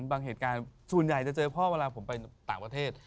เหตุการณ์ส่วนใหญ่จะเจอพ่อเวลาผมไปต่างประเทศ